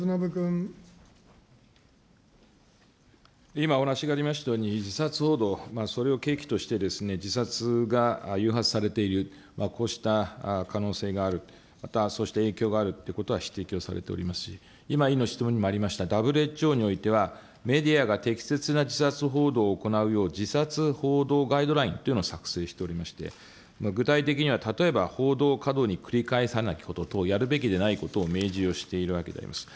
今、お話がありましたように、自殺報道、それを契機として自殺が誘発されている、こうした可能性がある、またはそうした影響があるということは指摘をされておりますし、今、等にもありました、ＷＨＯにおいてはメディアが適切な自殺報道を行うよう、自殺報道ガイドラインというのを作成しておりまして、具体的には例えば報道を過度に繰り返さないことと、やるべきでないことを明示しているわけであります。